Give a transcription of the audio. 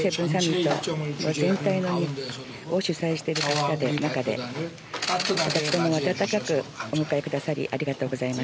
Ｇ７サミット全体を主催している中で、私どもを温かくお迎えくださり、ありがとうございます。